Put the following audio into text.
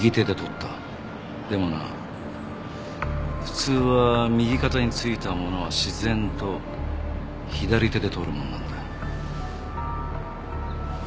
でもな普通は右肩についたものは自然と左手で取るものなんだ。